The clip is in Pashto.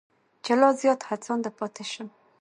چې لا زیات هڅانده پاتې شم.